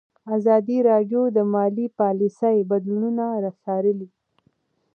ازادي راډیو د مالي پالیسي بدلونونه څارلي.